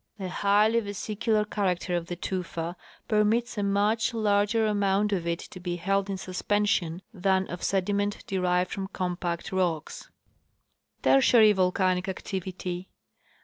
The highly vesicular character of the tufa permits a much larger amount of it to be held in suspension than of sedi ment derived from compact rocks. Tertiary volcanic Activity.